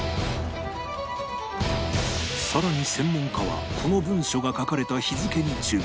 さらに専門家はこの文書が書かれた日付に注目